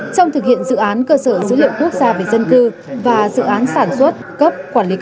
trong thực hiện dự án cơ sở dữ liệu quốc gia về dân cư và dự án sản xuất cấp quản lý